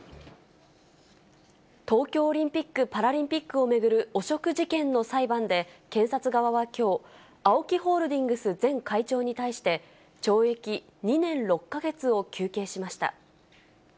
東京オリンピック・パラリンピックを巡る汚職事件の裁判で、検察側はきょう、ＡＯＫＩホールディングス前会長に対して、懲役２年６か月を求刑しました。